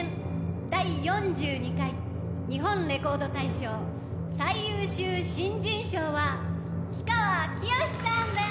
第４２回「日本レコード大賞」、最優秀新人賞は氷川きよしさんです。